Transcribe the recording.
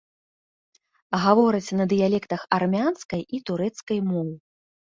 Гавораць на дыялектах армянскай і турэцкай моў.